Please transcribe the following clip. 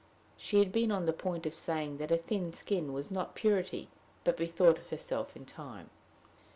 She had been on the point of saying that a thin skin was not purity, but bethought herself in time.